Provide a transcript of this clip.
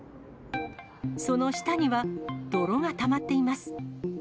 その下には、泥がたまっています。